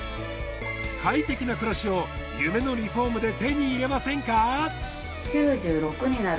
快適な暮らしを夢のリフォームで手に入れませんか？